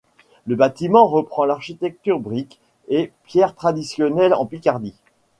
Le bâtiment reprend l'architecture brique et pierre traditionnelle en Picardie.